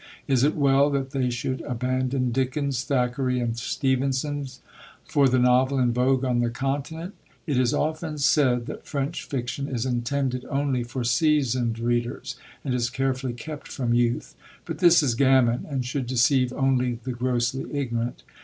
Is it well that they should abandon Dickens, Thackeray, and Stevenson, for the novel in vogue on the Continent? It is often said that French fiction is intended only for seasoned readers, and is carefully kept from youth. But this is gammon, and should deceive only the grossly ignorant.